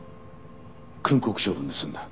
訓告処分で済んだ。